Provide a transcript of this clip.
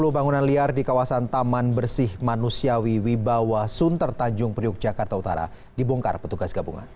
sepuluh bangunan liar di kawasan taman bersih manusiawi wibawa sunter tanjung priuk jakarta utara dibongkar petugas gabungan